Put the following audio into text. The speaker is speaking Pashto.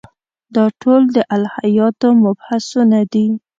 دا ټول د الهیاتو مبحثونه دي.